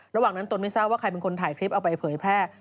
ระหว่างนั้นตนไม่ทราบว่าใครเป็นคนถ่ายคลิปเอาไปเผยแพร่